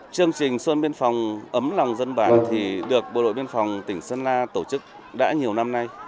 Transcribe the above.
chương trình xuân biên phòng ấm lòng dân bản thì được bộ đội biên phòng tỉnh sơn la tổ chức đã nhiều năm nay